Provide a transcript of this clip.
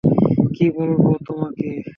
কি বলবো তোমাকে?